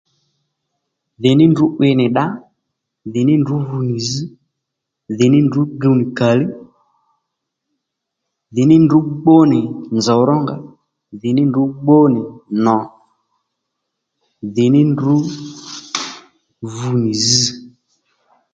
Dhì ní ndrǔ 'wiy nì dda dhì ní ndrǔ vu nì zz dhì ní ndrǔ rr nì zz dhì ní ndrǔ guw nì kàli dhì ní ndrǔ gbú nì nzòw ró nga dhì ní ndrǔ gbú nì nò dhì ní ndrǔ vu nì zz